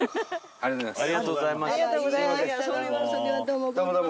ありがとうございます。